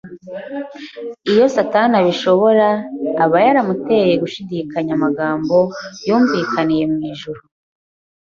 Iyo Satani abishobora, aba yaramuteye gushidikanya amagambo yumvikaniye mu ijuru